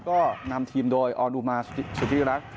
ก็นำทีมโดยออนูมาสุธิรักษ